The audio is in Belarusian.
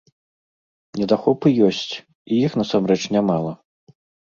Недахопы ёсць, і іх насамрэч нямала.